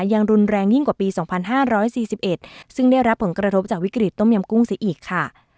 ยังรุนแรงยิ่งกว่าปีสองพันห้าร้อยสี่สิบเอ็ดซึ่งได้รับผลกระทบจากวิกฤตต้มยามกุ้งสีอีกค่ะ